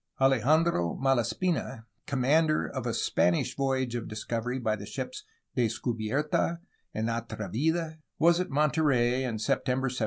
Alejandro Malaspina, commander of a Spanish voyage of discovery by the ships Descuhierta and Atrevida, was at Monterey in September 1791.